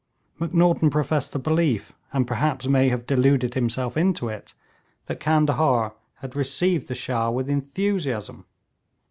Macnaghten professed the belief, and perhaps may have deluded himself into it, that Candahar had received the Shah with enthusiasm.